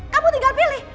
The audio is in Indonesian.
kamu tinggal pilih